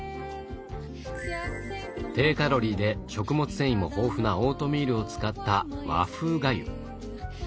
低カロリーで食物繊維も豊富なオートミールを使った和風がゆ。